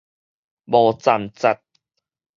無站節